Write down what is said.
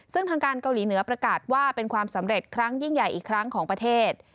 ซึ่งทางการเกาหลีเหนือประกาศว่าเป็นความสำเร็จครั้งยิ่งใหญ่อีกครั้งของประเทศ